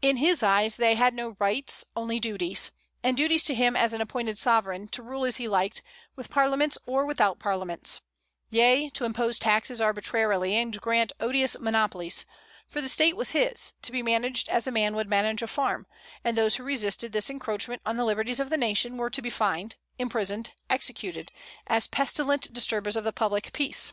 In his eyes they had no rights, only duties; and duties to him as an anointed sovereign, to rule as he liked, with parliaments or without parliaments; yea, to impose taxes arbitrarily, and grant odious monopolies: for the State was his, to be managed as a man would manage a farm; and those who resisted this encroachment on the liberties of the nation were to be fined, imprisoned, executed, as pestilent disturbers of the public peace.